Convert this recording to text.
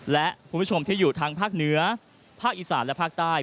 และคุณผู้ชมที่อยู่ทางภาคเหนือภาคอีสานและภาคใต้